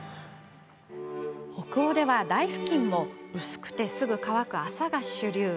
北欧では台ふきんも薄くて、すぐ乾く麻が主流。